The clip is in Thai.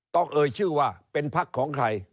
เอ่ยชื่อว่าเป็นพักของใคร